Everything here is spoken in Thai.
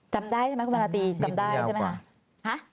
จำได้ใช่ไหมคุณมาราตรีจำได้ใช่ไหมคะ